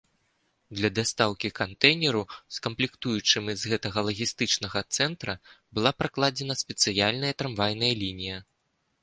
Для дастаўкі кантэйнераў з камплектуючымі з гэтага лагістычнага цэнтра была пракладзена спецыяльная трамвайная лінія.